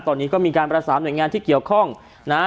ตอนนี้ก็มีการประสานหน่วยงานที่เกี่ยวข้องนะฮะ